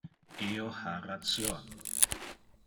Io ha ration.